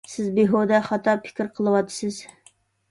سىز بىھۇدە خاتا پىكىر قىلىۋاتىسىز!